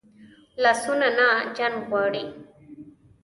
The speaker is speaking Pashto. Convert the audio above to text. لاسونه نه جنګ غواړي